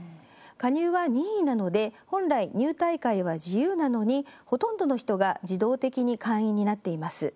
加入は任意なので本来、入退会は自由なのにほとんどの人が自動的に会員になっています。